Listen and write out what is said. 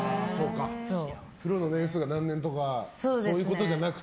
プロの年数が何年とかそういうことじゃなくて。